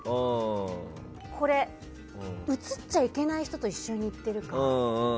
これ、写っちゃいけない人と一緒に行ってるから。